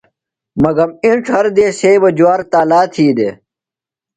مگم اِنڇ ہر دیس یھئی بہ جُوار تالا تھی دےۡ۔